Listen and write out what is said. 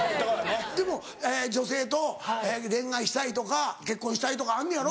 でも女性と恋愛したいとか結婚したいとかあんねやろ？